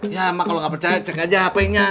ya mak kalo gak percaya cek aja hp nya